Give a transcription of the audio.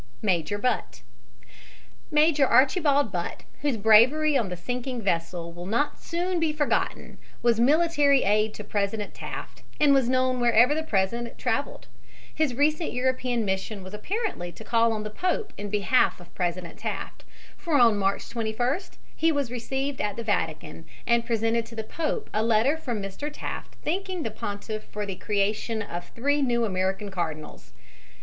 MAJOR BUTT Major Archibald Butt, whose bravery on the sinking vessel will not soon be forgotten, was military aide to President Taft and was known wherever the President traveled. His recent European mission was apparently to call on the Pope in behalf of President Taft; for on March 21st he was received at the Vatican, and presented to the Pope a letter from Mr. Taft thanking the Pontiff for the creation of three new American Cardinals.